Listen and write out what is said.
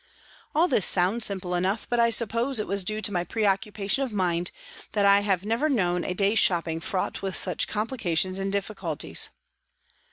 All this sounds simple enough, but I suppose it 240 was due to my preoccupation of mind that I have never known a day's shopping fraught with such complications and difficulties.